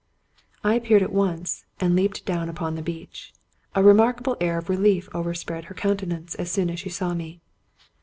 " I appeared at once, and leaped down upon the beach. A remarkable air of relief overspread her countenance as soon as she saw me.